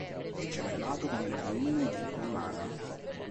È gemellato con il comune di Limana.